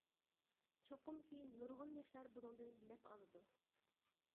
چوقۇمكى نۇرغۇن ياشلار بۇنىڭدىن نەپ ئالىدۇ.